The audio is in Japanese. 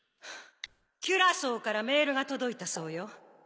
キュラソーからメールが届いたそうよ。